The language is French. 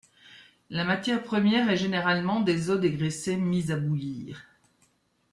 La matière première est généralement des os dégraissés mis à bouillir.